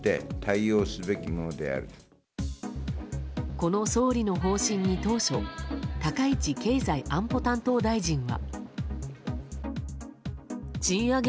この総理の方針に当初高市経済安保担当大臣は。